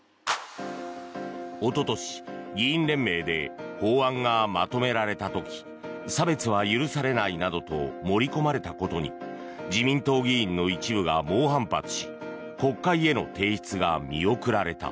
おととし、議員連盟で法案がまとめられた時差別は許されないなどと盛り込まれたことに自民党議員の一部が猛反発し国会への提出が見送られた。